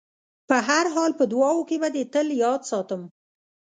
په هر حال په دعاوو کې به دې تل یاد ساتم.